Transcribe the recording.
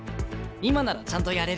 今ならちゃんとやれる。